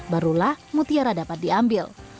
barulah mutiara dapat diambil